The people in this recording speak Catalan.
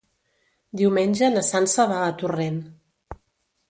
Diumenge na Sança va a Torrent.